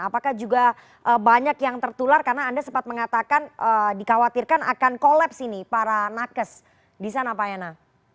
apakah juga banyak yang tertular karena anda sempat mengatakan dikhawatirkan akan kolaps ini para nakes di sana pak yana